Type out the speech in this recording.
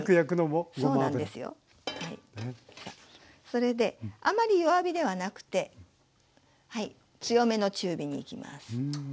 それであまり弱火ではなくて強めの中火にいきます。